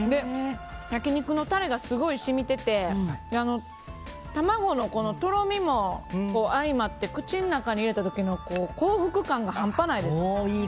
焼き肉のタレがすごい染みてて卵のとろみも相まって口の中に入れた時の幸福感が半端ないです。